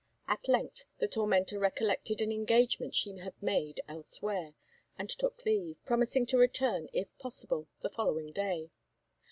At length the tormentor recollected an engagement she had made elsewhere, and took leave, promising to return, if possible, the following day.